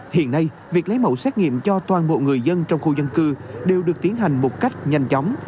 hiện nay việc lấy mẫu xét nghiệm cho toàn bộ người dân trong khu dân cư đều được tiến hành một cách nhanh chóng